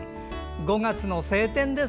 ５月の晴天です。